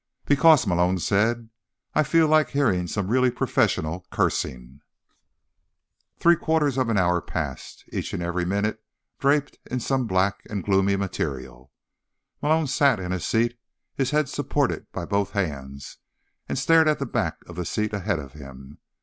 "Because," Malone said, "I feel like hearing some really professional cursing." Three quarters of an hour passed, each and every minute draped in some black and gloomy material. Malone sat in his seat, his head supported by both hands, and stared at the back of the seat ahead of him.